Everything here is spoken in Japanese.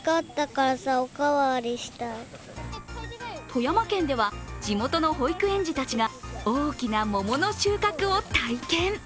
富山県では、地元の保育園児たちが大きな桃の収穫体験。